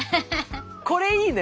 これいいね。